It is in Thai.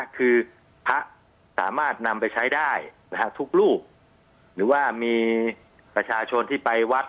คือพระสามารถนำไปใช้ได้ทุกรูปหรือว่ามีประชาชนที่ไปวัด